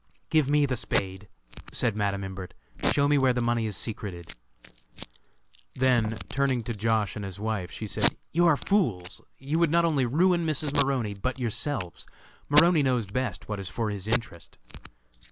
"Give me the spade!" said Madam Imbert. "Show me where the money is secreted!" Then, turning to Josh. and his wife, she said: "You are fools! You would not only ruin Mrs. Maroney, but yourselves. Maroney knows best what is for his interest."